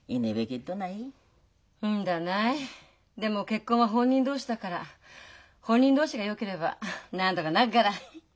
結婚は本人同士だから本人同士がよければなんとかなっから。